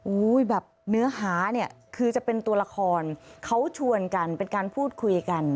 แบบเนื้อหาเนี่ยคือจะเป็นตัวละครเขาชวนกันเป็นการพูดคุยกัน